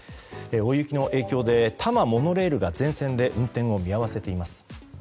大雪の影響で多摩モノレールが全線で運転を見合わせています。